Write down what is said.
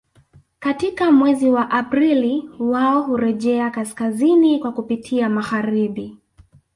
Katika mwezi Aprili wao hurejea kaskazini kwa kupitia magharibi